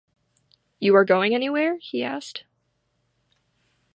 “You are going anywhere?” he asked.